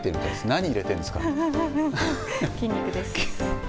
何入れてるんですか。